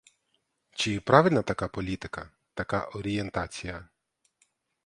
Чи правильна така політика, така орієнтація?